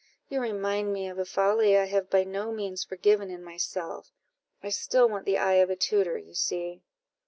You remind me of a folly I have by no means forgiven in myself. I still want the eye of a tutor, you see."